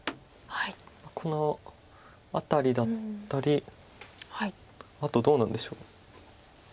この辺りだったりあとどうなんでしょう。